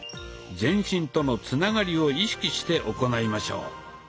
全身とのつながりを意識して行いましょう。